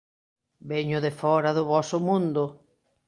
“Veño de fóra do voso mundo.